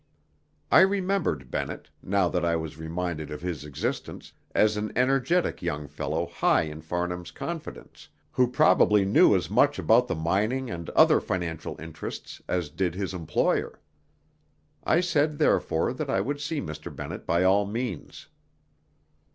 I remembered Bennett, now that I was reminded of his existence, as an energetic young fellow high in Farnham's confidence, who probably knew as much about the mining and other financial interests as did his employer. I said therefore that I would see Mr. Bennett by all means.